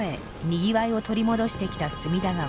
にぎわいを取り戻してきた隅田川。